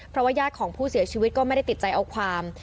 เพราะว่าญาติของผู้เสียชีวิตก็ไม่ได้ติดใจเอาความ